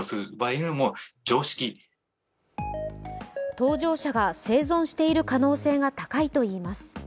搭乗者が生存している可能性が高いといいます。